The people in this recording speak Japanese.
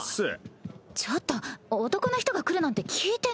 ちょっと男の人が来るなんて聞いてな。